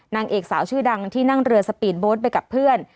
นางเอกสาวชื่อดังที่นั่งเรือสปีดโบ๊ทไปกับเพื่อน